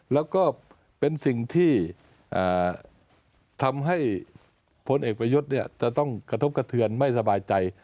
แล้วก็เป็นสิ่งที่ทำให้พลเอกประยุทธ์จะต้องกระทบกระเทือนไม่สบายใจ